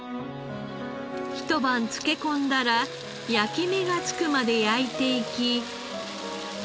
一晩漬け込んだら焼き目が付くまで焼いていき。